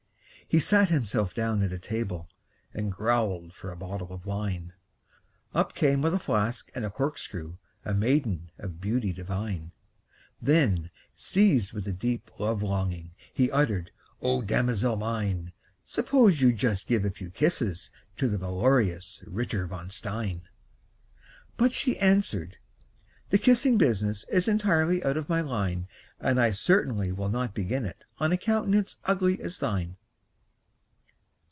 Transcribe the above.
He sat himself down at a table, And growled for a bottle of wine; Up came with a flask and a corkscrew A maiden of beauty divine. Then, seized with a deep love longing, He uttered, "O damosel mine, Suppose you just give a few kisses To the valorous Ritter von Stein!" But she answered, "The kissing business Is entirely out of my line; And I certainly will not begin it On a countenance ugly as thine!"